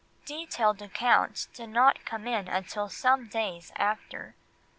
Detailed accounts did not come in until some days after.